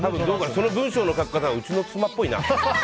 その文章の書き方がうちの妻っぽいな。